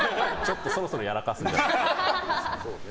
そろそろやらかすんじゃないかなと。